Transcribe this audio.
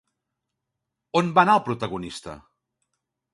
On va anar el protagonista?